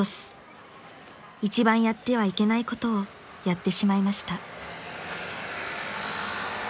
［一番やってはいけないことをやってしまいました］